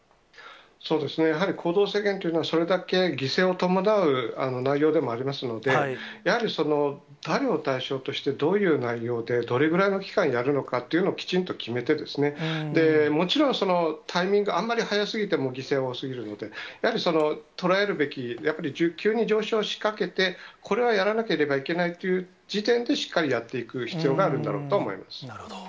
そうですね、やはり行動制限っていうのは、それだけ犠牲を伴う内容でもありますので、やはり、誰を対象として、どういう内容で、どれぐらいの期間やるのかっていうのをきちんと決めてですね、もちろんタイミング、あんまり早すぎても犠牲が多すぎるので、やはりとらえるべき、やっぱり急に上昇しかけて、これはやらなければいけないという時点でしっかりやっていく必要なるほど。